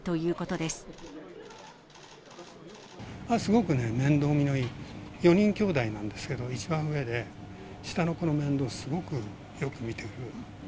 すごくね、面倒見のいい、４人きょうだいなんですけど、一番上で、下の子の面倒、すごくよく見てる。